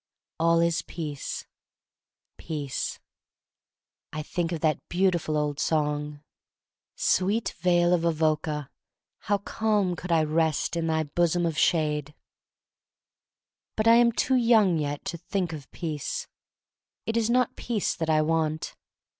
All is peace — peace. I think of that beautiful old song: * 'Sweet vale of Avoca! how calm could I rest In thy bosom of shade ." But I am too young yet to think of peace. It is not peace that I want.